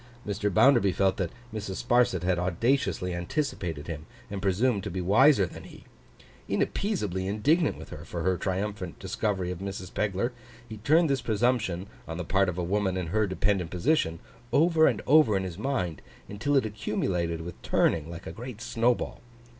Mr. Bounderby felt that Mrs. Sparsit had audaciously anticipated him, and presumed to be wiser than he. Inappeasably indignant with her for her triumphant discovery of Mrs. Pegler, he turned this presumption, on the part of a woman in her dependent position, over and over in his mind, until it accumulated with turning like a great snowball.